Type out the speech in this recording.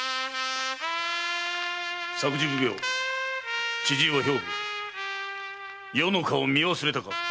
作事奉行・千々岩兵部余の顔を見忘れたか。